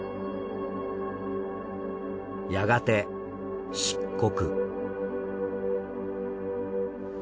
やがて漆黒。